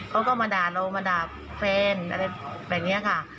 เขาก็มาด่าเรามาด่าแฟนอะไรแบบนี้ค่ะ